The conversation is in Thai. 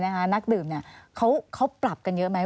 เสียงอย่างคนแบบนักดื่มเนี่ยเขาปรับกันเยอะไหม